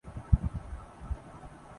زمین کا بتدریج بڑھتا ہوا درجۂ حرارت ہے